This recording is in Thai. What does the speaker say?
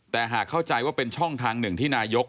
แต่หากเข้าใจว่าเป็นช่องทางหนึ่งที่นายก